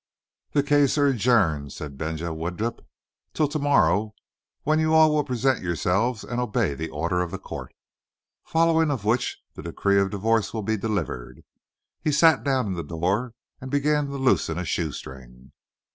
"The case air adjourned," said Benaja Widdup, "till to morrow, when you all will present yo'selves and obey the order of the co't. Followin' of which the decrees of divo'ce will be delivered." He sat down in the door and began to loosen a shoestring.